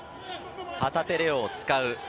旗手怜央を使う。